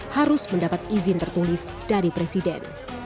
harus mendapat izin tertulis dari presiden